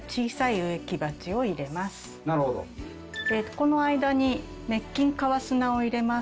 この間に滅菌川砂を入れます。